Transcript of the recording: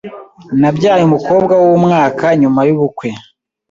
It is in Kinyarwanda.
Nabyaye umukobwa wumwaka nyuma yubukwe.